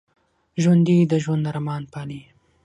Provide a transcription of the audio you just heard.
ژوندي د ژوند ارمان پالي